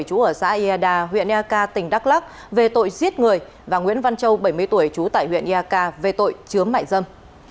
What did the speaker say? chú ở xã ia đà huyện ia ca tỉnh đắk lắc về tội giết người và nguyễn văn châu bảy mươi tuổi chú tại huyện ia ca về tội chướm mại dâm